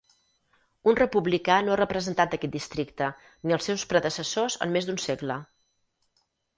Un republicà no ha representat aquest districte ni els seus predecessors en més d'un segle.